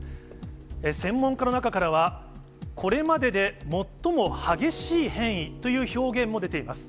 専門家の中からは、これまでで最も激しい変異という表現も出ています。